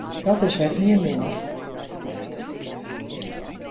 Dat is wer ien minder.